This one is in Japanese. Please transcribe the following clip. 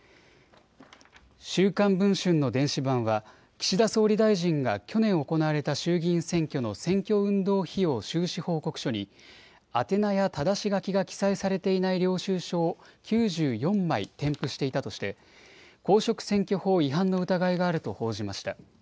週刊文春の電子版は岸田総理大臣が去年行われた衆議院選挙の選挙運動費用収支報告書に宛名やただし書きが記載されていない領収書を９４枚添付していたとして公職選挙法違反の疑いがあると報じました。